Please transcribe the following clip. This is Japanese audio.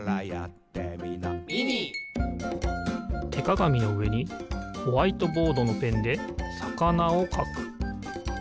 てかがみのうえにホワイトボードのペンでさかなをかく。